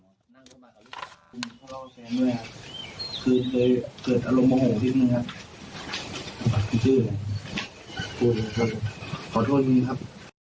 เกิดอารมณ์โมโหนิดนึงครับขอโทษคุณครับ